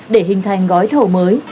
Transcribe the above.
để hình thành gói thầu mới